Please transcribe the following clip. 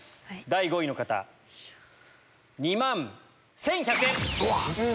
第５位の方２万１１００円！